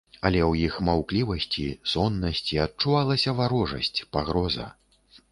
Але ў іх маўклівасці, соннасці адчувалася варожасць, пагроза.